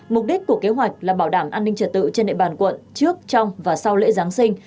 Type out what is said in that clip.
mục đích của kế hoạch là bảo đảm an ninh trật tự trên địa bàn quận trước trong và sau lễ giáng sinh